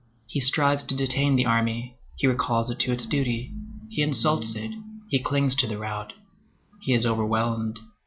He strives to detain the army, he recalls it to its duty, he insults it, he clings to the rout. He is overwhelmed.